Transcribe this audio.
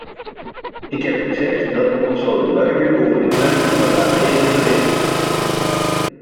Ik heb gezegd dat we ons zouden buigen over de kwestie waaraan hij refereerde.